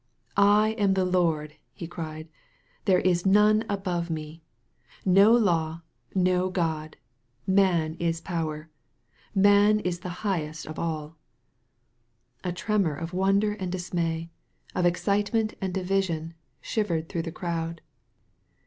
"I am the Lord!" he cried. "There is none above me! No law, no (xod! Man is power. Man is the highest of all !" A tremor of wonder and dismay, of excitement 8 A REMEMBERED DREAM and divmon, shivered through the crowd.